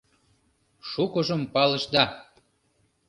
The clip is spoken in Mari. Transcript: — Шукыжым палышда...